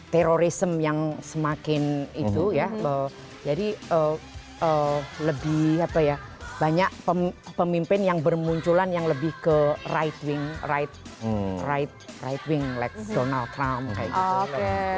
terorisme yang semakin itu ya jadi lebih apa ya banyak pemimpin yang bermunculan yang lebih ke right wing right right wing likes donald trump kayak gitu